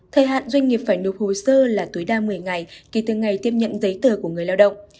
thời hạn doanh nghiệp phải nộp hồ sơ là tối đa một mươi ngày kể từ ngày tiếp nhận giấy tờ của người lao động